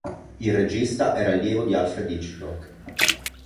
Il regista era allievo di Alfred Hitchcock.